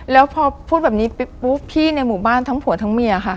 แล้วพอพูดแบบนี้ปุ๊บพี่ในหมู่บ้านทั้งผัวทั้งเมียค่ะ